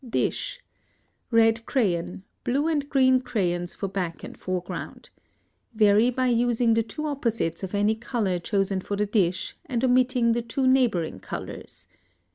Dish. Red crayon, blue and green crayons for back and foreground. Vary by using the two opposites of any color chosen for the dish and omitting the two neighboring colors.